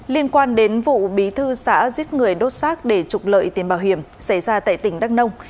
liên quan đến vụ bí thư xã giết người đốt xác để trục lợi tiền bảo hiểm xảy ra tại tỉnh đắk nông